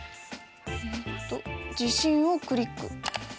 えっと「地震」をクリック。